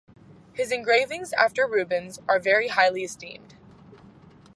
His engravings after Rubens are very highly esteemed.